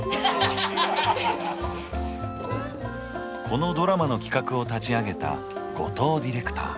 このドラマの企画を立ち上げた後藤ディレクター。